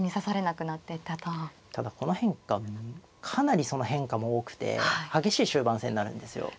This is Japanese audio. ただこの変化かなりその変化も多くて激しい終盤戦になるんですよ。